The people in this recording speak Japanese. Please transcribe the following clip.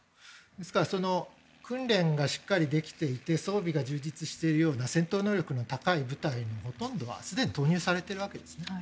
ですから訓練がしっかりできていて装備が充実しているような戦闘能力の高い部隊のほとんどはすでに投入されているわけですね。